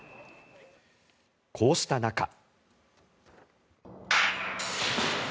こうした中。